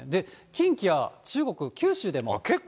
近畿や中国、九州でも。